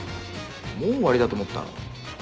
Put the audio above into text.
もう終わりだと思ったの？